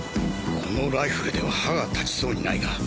このライフルでは歯が立ちそうにないが。